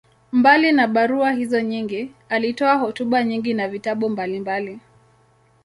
Mbali ya barua hizo nyingi, alitoa hotuba nyingi na vitabu mbalimbali.